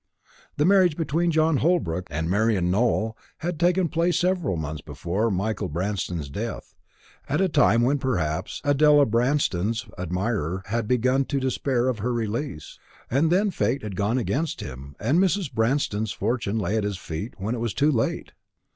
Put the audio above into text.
The marriage between John Holbrook and Marian Nowell had taken place several months before Michael Branston's death, at a time when perhaps Adela Branston's admirer had begun to despair of her release. And then fate had gone against him, and Mrs. Branston's fortune lay at his feet when it was too late.